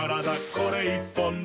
これ１本で」